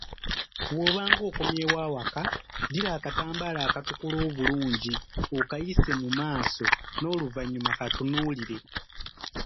Bw'obanga okomyewo awaka, ddira akatambaala akatukula obulungi, okayise mu maaso, n'oluvannyuma katunuulire.